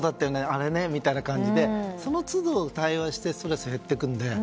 あれねみたいな感じでその都度、対応をして減っていくので。